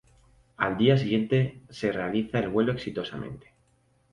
Al día siguiente se realiza el vuelo exitosamente.